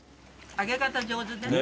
揚げ方上手です。